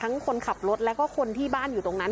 คนขับรถแล้วก็คนที่บ้านอยู่ตรงนั้น